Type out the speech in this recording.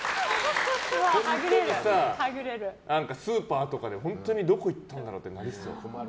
本当に、スーパーとかで本当にどこ行ったのかなってなりそう。